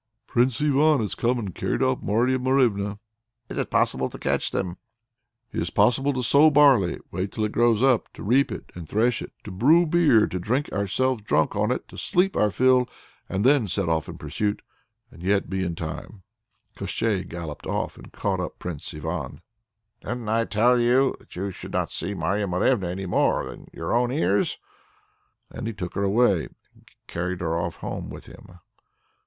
"Prince Ivan has come and carried off Marya Morevna." "Is it possible to catch them?" "It is possible to sow barley, to wait till it grows up, to reap it and thresh it, to brew beer, to drink ourselves drunk on it, to sleep our fill, and then to set off in pursuit and yet to be in time." Koshchei galloped off, caught up Prince Ivan: "Didn't I tell you that you should not see Marya Morevna any more than your own ears?" And he took her away and carried her off home with him.